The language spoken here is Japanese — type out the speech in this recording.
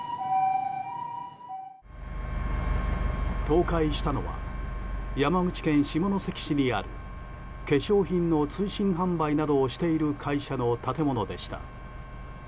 倒壊したのは山口県下関市にある化粧品の通信販売などをしている会社の建物でした。